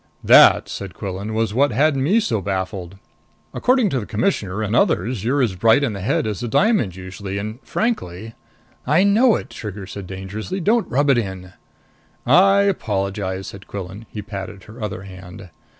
"That," said Quillan, "was what had me so baffled. According to the Commissioner and others, you're as bright in the head as a diamond, usually. And frankly " "I know it," Trigger said dangerously. "Don't rub it in!" "I apologize," said Quillan. He patted her other hand.